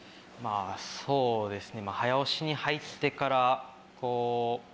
そうですね。